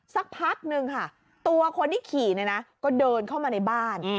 สักพักนึงค่ะตัวคนที่ขี่เนี่ยนะก็เดินเข้ามาในบ้าน